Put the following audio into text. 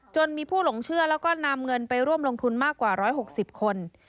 จนมีผู้หลงเชื่อแล้วก็นำเงินไปร่วมลงทุนมากกว่า๑๖๐คน